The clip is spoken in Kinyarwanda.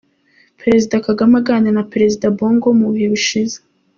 Perezida Kagame aganira na Perezida Bongo mu bihe bishize